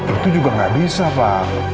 itu juga nggak bisa pak